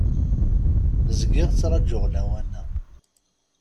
Zgiɣ ttrajuɣ lawan-a.